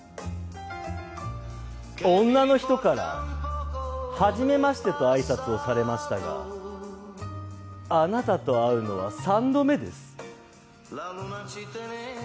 女の人から「はじめまして」とあいさつをされましたがあなたと会うのは３度目です。